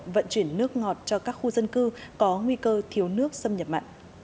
vận chuyển nước ngọt cho các khu dân cư có nguy cơ thiếu nước xâm nhập mặn